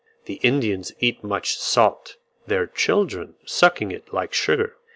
The Indians eat much salt, their children sucking it like sugar.